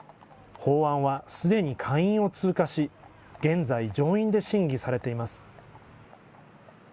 法案はすでに下院を通過し、現在、上院で審議されています。